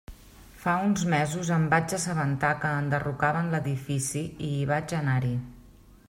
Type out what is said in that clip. Fa uns mesos em vaig assabentar que enderrocaven l'edifici i vaig anar-hi.